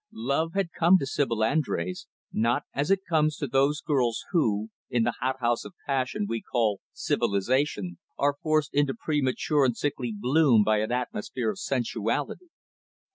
Love had come to Sibyl Andrés, not as it comes to those girls who, in the hot house of passion we call civilization, are forced into premature and sickly bloom by an atmosphere of sensuality.